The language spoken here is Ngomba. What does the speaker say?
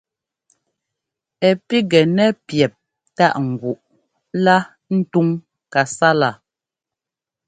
Ɛ píkŋɛ nɛ píɛp tâʼ nguʼ lá ntuŋ kasálaa.